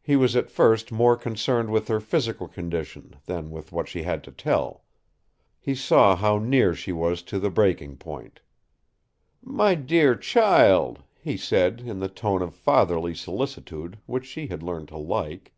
He was at first more concerned with her physical condition than with what she had to tell. He saw how near she was to the breaking point. "My dear child!" he said, in the tone of fatherly solicitude which she had learned to like.